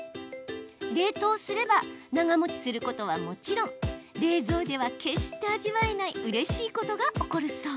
冷凍すれば長もちすることはもちろん冷蔵では決して味わえないうれしいことが起こるそう。